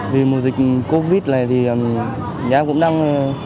vì mùa dịch covid này thì nhà cũng đang